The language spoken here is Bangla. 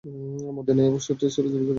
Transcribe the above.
মদীনায় এবৎসরটি ছিল দুর্ভিক্ষের বৎসর।